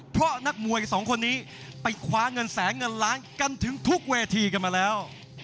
เพราะนักมวยสองคนนี้ไปคว้าเงินแสนเงินล้านกันถึงทุกเวทีกันมาแล้ว